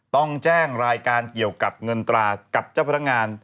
ต้องแจ้งรายการเกี่ยวกับเงินตรากับเจ้าพนักงาน